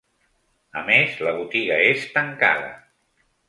A més, la botiga és tancada.